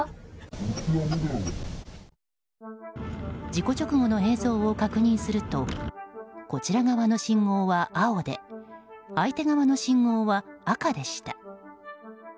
事故直後の映像を確認するとこちら側の信号は青で相手側の信号は赤でした。